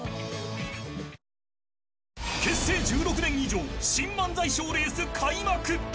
結成１６年以上新漫才賞レース開幕。